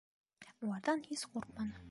Уларҙан һис ҡурҡманы.